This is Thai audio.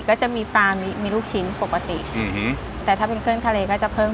ก็จะมีปลามีมีลูกชิ้นปกติอืมแต่ถ้าเป็นเครื่องทะเลก็จะเพิ่ม